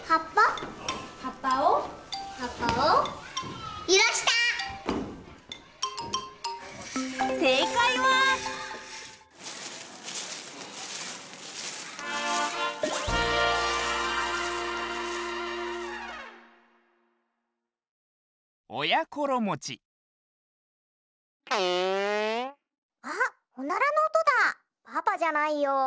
パパじゃないよ。